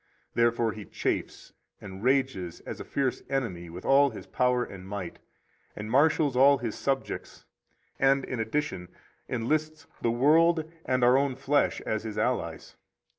Therefore he chafes and rages as a fierce enemy with all his power and might, and marshals all his subjects, and, in addition, enlists the world and our own flesh as his allies.